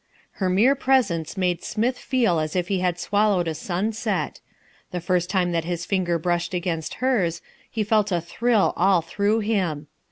Her mere presence made Smith feel as if he had swallowed a sunset: the first time that his finger brushed against hers, he felt a thrill all through him.